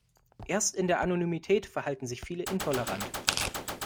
Erst in der Anonymität verhalten sich viele intolerant.